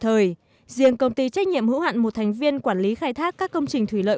thời riêng công ty trách nhiệm hữu hạn một thành viên quản lý khai thác các công trình thủy lợi